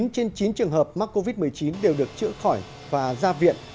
chín trên chín trường hợp mắc covid một mươi chín đều được chữa khỏi và ra viện